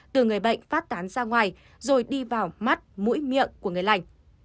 từ người bệnh phát tán ra ngoài rồi đi vào mắt mũi miệng của người lành